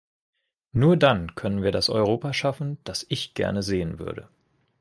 Nur dann können wir das Europa schaffen, das ich gern sehen würde.